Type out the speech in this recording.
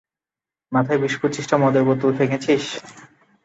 মাথায় বিশ-পঁচিশটা মদের বোতল ভেঙ্গেছিস।